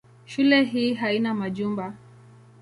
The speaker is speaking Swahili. Shule hii hana majumba.